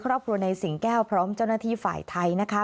ครอบครัวในสิงแก้วพร้อมเจ้าหน้าที่ฝ่ายไทยนะคะ